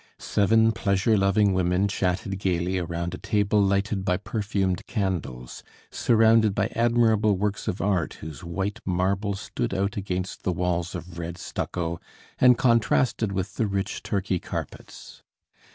Seven pleasure loving women chatted gaily around a table lighted by perfumed candles, surrounded by admirable works of art whose white marble stood out against the walls of red stucco and contrasted with the rich Turkey carpets.